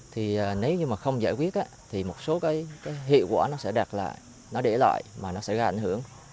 thì nếu như mà không giải quyết thì một số cái hiệu quả nó sẽ đạt lại nó để lại mà nó sẽ gây ảnh hưởng